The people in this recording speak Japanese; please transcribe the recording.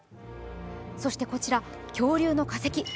そしてこちら、恐竜の化石。